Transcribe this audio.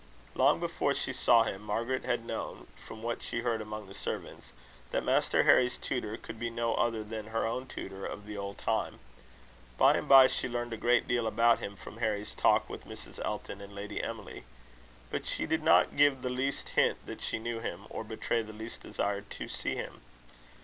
Long before she saw him, Margaret had known, from what she heard among the servants, that Master Harry's tutor could be no other than her own tutor of the old time. By and by she learned a great deal about him from Harry's talk with Mrs. Elton and Lady Emily. But she did not give the least hint that she knew him, or betray the least desire to see him.